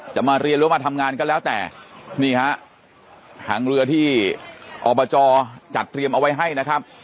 จะมาเรียนหรือมาทำงานก็แล้วแต่นี่ฮะทางเรือที่อบจจัดเตรียมเอาไว้ให้นะครับ